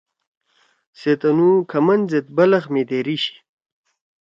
سے تنُو کھمن سیت بلخ می دھیری شی۔